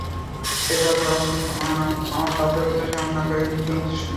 তাই বার বার আমাকে আমার পাপের কথা স্মরণ না করিয়ে, নতুন কিছু শোনান।